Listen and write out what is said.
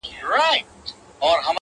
له پخوانو کمبلو پاته دوې ټوټې دي وړې!!